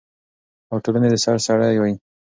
او ټولنې د سر سړی وي،